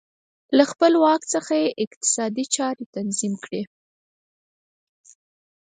له خپل واک څخه یې اقتصادي چارې تنظیم کړې